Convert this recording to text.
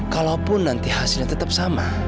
kalaupun nanti hasilnya tetap sama